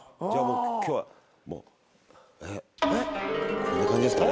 今日はもうこんな感じですかね。